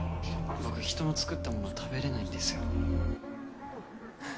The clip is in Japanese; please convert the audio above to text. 僕、人の作ったもの食べれないんですよ。